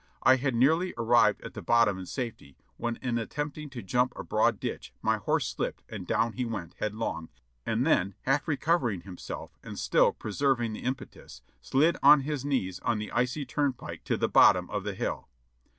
I had nearly arrived at the bottom in safety, when in attempting to jump a broad ditch my horse slipped and down he went headlong, and then half recovering himself and still preserving the impetus, slid on his knees on the icy turnpike to the bottom of the hill.